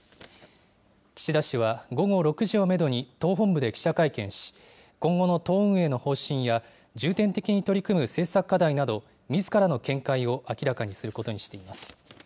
岸田氏は午後６時をメドに党本部で記者会見し、今後の党運営の方針や、重点的に取り組む政策課題など、みずからの見解を明らかにすることにしています。